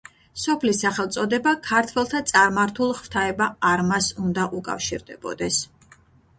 სოფლის სახელწოდება ქართველთა წარმართულ ღვთაება არმაზს უნდა უკავშირდებოდეს.